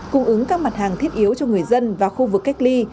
cung ứng các mặt hàng thiết yếu cho người dân và khu vực cách ly